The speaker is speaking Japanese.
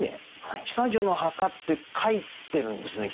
「久女の墓」って書いてるんですね